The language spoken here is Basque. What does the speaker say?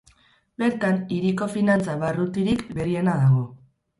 Bertan, hiriko finantza barrutirik berriena dago.